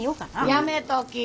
やめとき。